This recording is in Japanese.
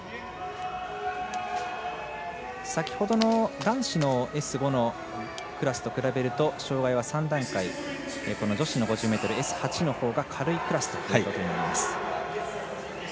先ほどの、男子のＳ５のクラスと比べると障がいは３段階女子の５０ｍＳ８のほうが軽いクラスということになります。